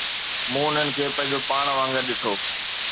مون انهن کي پنهنجو پاڻ وانگر ڏٺو